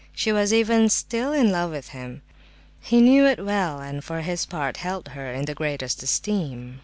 She was even still "in love" with him. He knew it well, and for his part held her in the greatest esteem.